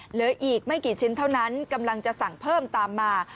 เหลืออีกไม่กี่ชิ้นเท่านั้นกำลังจะสั่งเพิ่มตามมา